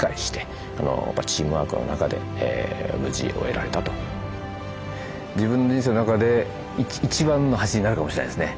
それにはね自分の人生の中で一番の橋になるかもしれないですね